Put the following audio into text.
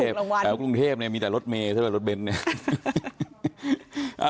แปลว่ากรุงเทพฯมีแต่รถเมฆไม่ถูกรางวัล